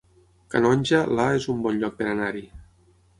Canonja, la es un bon lloc per anar-hi